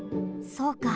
そうか。